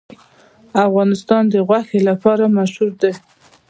افغانستان د غوښې لپاره مشهور دی.